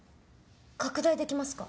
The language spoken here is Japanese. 拡大できますか？